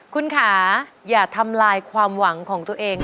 คุณค่ะอย่าทำลายความหวังของตัวเอง